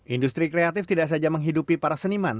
industri kreatif tidak saja menghidupi para seniman